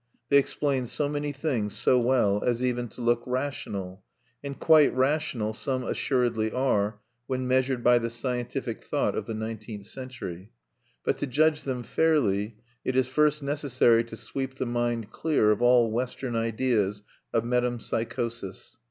They explain so many things so well as even to look rational; and quite rational some assuredly are when measured by the scientific thought of the nineteenth century. But to judge them fairly, it is first necessary to sweep the mind clear of all Western ideas of metempsychosis.